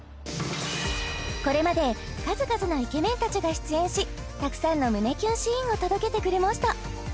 これまで数々のイケメンたちが出演したくさんの胸キュンシーンを届けてくれました